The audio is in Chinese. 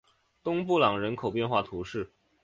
东布朗人口变化图示